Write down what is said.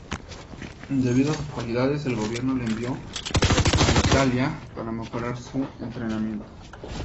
Debido a sus cualidades, el gobierno lo envió a Italia para mejorar su entrenamiento.